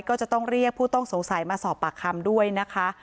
ก็จะต้องเรียกผู้ต้องสงสัยมาสอบปากคำด้วยนะคะ